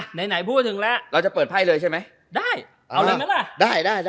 ไหนไหนพูดถึงแล้วเราจะเปิดไพ่เลยใช่ไหมได้เอาเลยไหมล่ะได้ได้